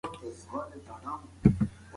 خلک اوس په خپلو کورونو کې نوې ټیکنالوژي کاروي.